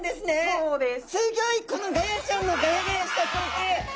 そうです。